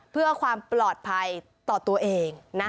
เพื่อความปลอดภัยต่อตัวเองนะ